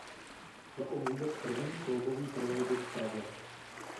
Šlo o vůbec první kloubový trolejbus v Praze.